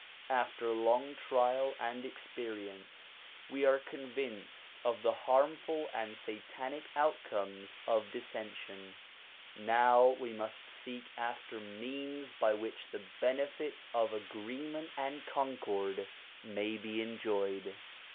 After long trial and experience we are convinced of the harmful and satanic outcomes of dissension ; now we must seek after means by which the benefits of agreement and concord may be enjoyed.